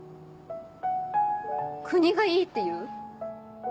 国がいいって言う？